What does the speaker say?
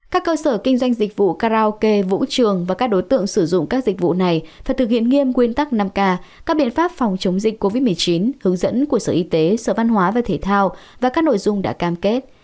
các cơ sở kinh doanh dịch vụ karaoke vũ trường và các đối tượng sử dụng các dịch vụ này phải thực hiện nghiêm quyên tắc năm k các biện pháp phòng chống dịch covid một mươi chín hướng dẫn của sở y tế sở văn hóa và thể thao và các nội dung đã cam kết